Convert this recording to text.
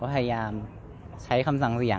เวลาที่สุดตอนที่สุด